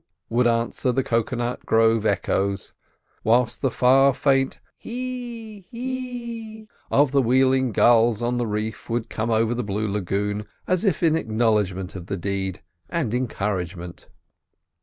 would answer the cocoa nut grove echoes; whilst the far, faint "Hi hi!" of the wheeling gulls on the reef would come over the blue lagoon as if in acknowledgment of the deed, and encouragement.